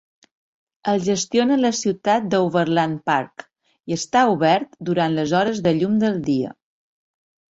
El gestiona la ciutat d'Overland Park, i està obert durant les hores de llum del dia.